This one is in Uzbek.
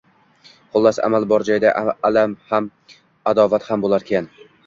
Xullas, amal bor joyda alam ham, adovat ham bo’larkan.